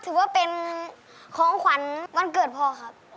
ถือว่าเป็นของขวัญวันเกิดพ่อครับ